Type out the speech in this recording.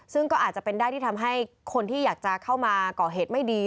ซึ่งก็อาจจะเป็นได้ที่ทำให้คนที่อยากจะเข้ามาก่อเหตุไม่ดี